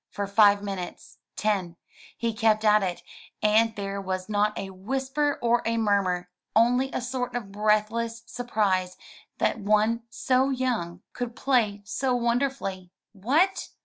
For five minutes, ten, he kept at it, and there was not a whisper or a murmur, only a sort of breathless surprise that one so young could play so wonderfully. "What!